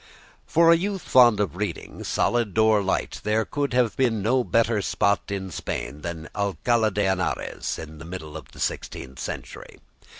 For a youth fond of reading, solid or light, there could have been no better spot in Spain than Alcala de Henares in the middle of the sixteenth century.